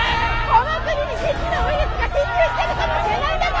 この国に未知のウイルスが侵入してるかもしれないんだぞ！